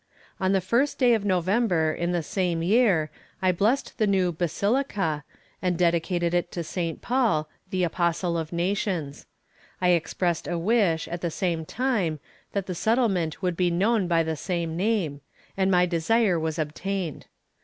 On the first day of November, in the same year, I blessed the new basilica, and dedicated it to Saint Paul, the apostle of nations. I expressed a wish, at the same time, that the settlement would be known by the same name, and my desire was obtained.